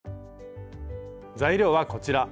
材料はこちら。